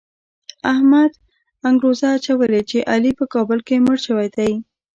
احمد انګروزه اچولې ده چې علي په کابل کې مړ شوی دی.